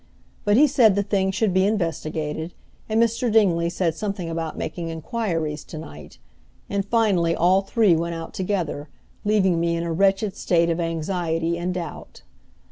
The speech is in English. But he said the thing should be investigated; and Mr. Dingley said something about making inquiries to night; and finally all three went out together, leaving me in a wretched state of anxiety and doubt.